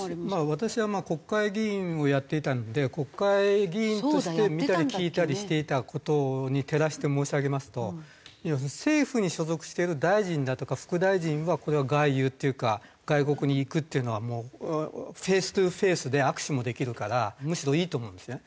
私は国会議員をやっていたので国会議員として見たり聞いたりしていた事に照らして申し上げますと要するに政府に所属している大臣だとか副大臣はこれは外遊っていうか外国に行くっていうのはもうフェーストゥフェースで握手もできるからむしろいいと思うんですね。